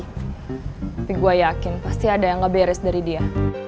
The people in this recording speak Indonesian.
tapi gue yakin pasti ada yang ngeberes dari dia